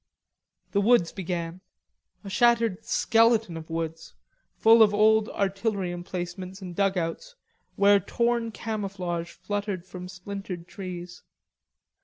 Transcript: The woods began, a shattered skeleton of woods, full of old artillery emplacements and dugouts, where torn camouflage fluttered from splintered trees.